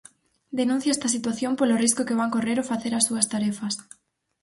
Denuncia esta situación polo risco que van correr ao facer as súas tarefas.